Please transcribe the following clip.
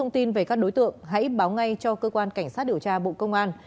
xin chào các bạn